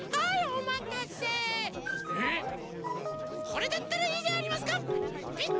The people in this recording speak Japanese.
これだったらいいでありますか？